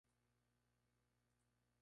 El director actual es Mark Webster.